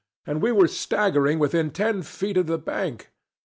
And we were staggering within ten feet of the bank.